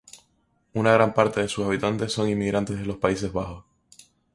Una gran parte de sus habitantes son inmigrantes de los Países Bajos.